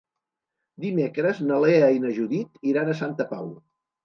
Dimecres na Lea i na Judit iran a Santa Pau.